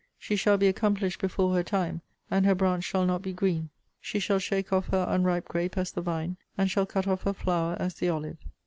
She shall be accomplished before her time; and her branch shall not be green. She shall shake off her unripe grape as the vine, and shall cut off her flower as the olive.'